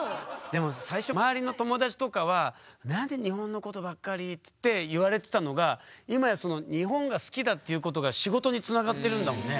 でも最初周りの友達とかは「何で日本のことばっかり」っつって言われてたのが今やその日本が好きだっていうことが仕事につながってるんだもんね。